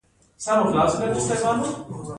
د کاپیسا په نجراب کې د بیروج نښې شته.